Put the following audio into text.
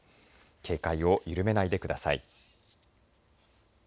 警戒をゆるめないでください。